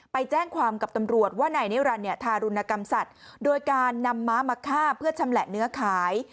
ไปแจ้งความกับตำรวจว่านายนิรันดิทารุณกรรมสัตว์โดยการนำม้ามาฆ่าเพื่อชำแหละเนื้อขาย